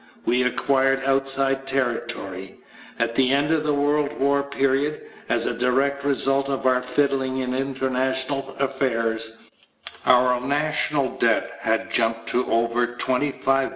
We acquired outside territory. At the end of the World War period, as a direct result of our fiddling in international affairs, our national debt had jumped to over $25,000,000,000.